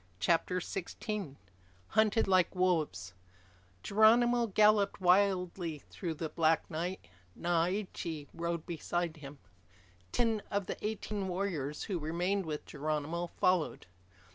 CHAPTER SIXTEEN Hunted Like Wolves Geronimo galloped wildly through the black night. Naiche rode beside him. Ten of the eighteen warriors who remained with Geronimo followed.